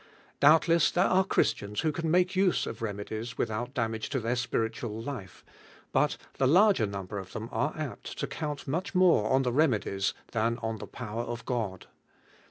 Doubtless there are Christians who can make use of remedies without damage to their spiritual life, but the larger number of them are apt to count nun ii more on the remedies than on the power of God.